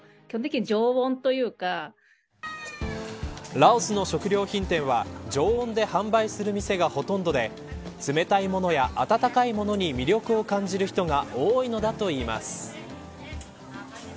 ラオスの食料品店は常温で販売する店がほとんどで冷たいものや温かいものに魅力を感じる人が多いのだといいます。